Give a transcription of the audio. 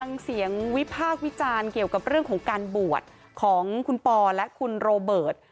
ฟังเสียงวิพากษ์วิจารณ์เกี่ยวกับเรื่องของการบวชของคุณปอและคุณโรเบิร์ต